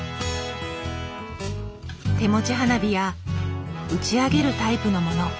手持ち花火や打ち上げるタイプのもの